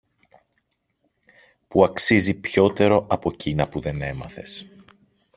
που αξίζει πιότερο από κείνα που δεν έμαθες.